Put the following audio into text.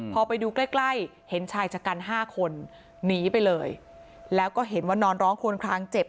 พอไปดูใกล้ใกล้เห็นชายชะกัน๕คนหนีไปเลยแล้วก็เห็นว่านอนร้องควนคลางเจ็บ